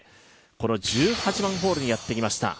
この１８番ホールにやってきました。